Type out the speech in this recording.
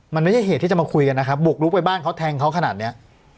มันไม่ใช่เหตุที่จะมาคุยกันนะครับบุกลุกไปบ้านเขาแทงเขาขนาดเนี้ย